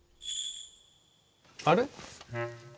あれ？